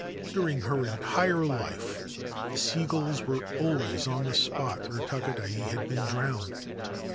During her entire life the sea gulls were always on the spot where Takadai had been drowned.